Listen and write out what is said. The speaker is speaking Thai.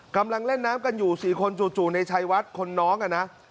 กำลังเล่นน้ำกันอยู่๔คนจู่ในชัยวัดคนน้องอ่ะนะ